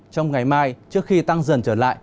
trong ngày mai trước khi tăng dần trở lại